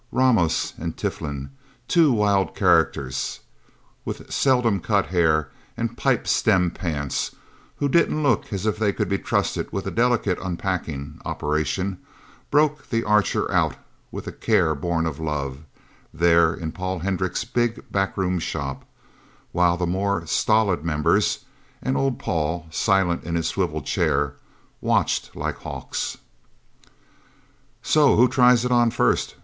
Ramos and Tiflin, two wild characters with seldom cut hair and pipe stem pants, who didn't look as if they could be trusted with a delicate unpacking operation, broke the Archer out with a care born of love, there in Paul Hendricks' big backroom shop, while the more stolid members and old Paul, silent in his swivel chair watched like hawks. "So who tries it on first?"